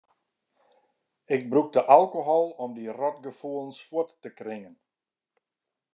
Ik brûkte alkohol om dy rotgefoelens fuort te kringen.